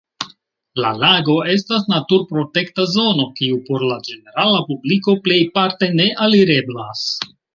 La lago estas naturprotekta zono, kiu por la ĝenerala publiko plejparte ne alireblas.